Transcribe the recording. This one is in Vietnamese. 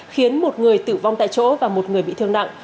khiến một người tử vong tại chỗ và một người bị thương nặng